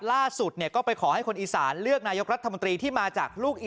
เมื่อมีคนเอาสตางค์มาให้